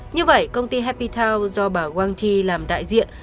như vậy công ty happy town do bà wang thi làm đại diện